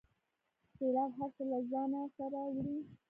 سیلاب هر څه له ځانه سره وړي.